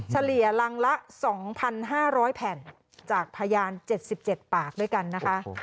เฉลี่ยรังละ๒๕๐๐แผ่นจากพยาน๗๗ปากด้วยกันนะคะ